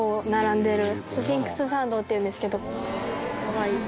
スフィンクス参道っていうんですけど。